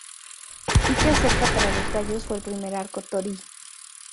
Dicha cerca para los gallos fue el primer arco torii.